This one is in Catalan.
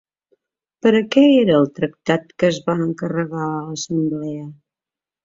Per a què era el tractat que es va encarregar a l'Assemblea?